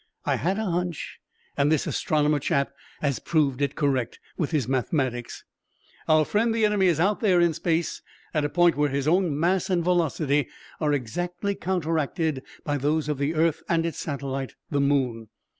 I had a hunch, and this astronomer chap has proved it correct with his mathematics. Our friend the enemy is out there in space at a point where his own mass and velocity are exactly counteracted by those of the earth and its satellite, the moon.